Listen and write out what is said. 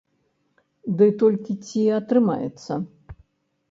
Ды толькі ці атрымаецца?